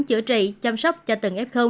chữa trị chăm sóc cho tầng f